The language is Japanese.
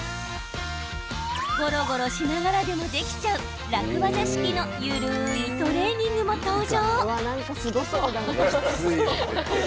ゴロゴロしながらでもできちゃう楽ワザ式の緩いトレーニングも登場。